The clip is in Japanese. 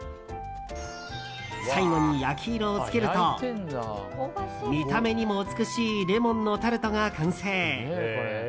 最後に焼き色をつけると見た目にも美しいレモンのタルトが完成。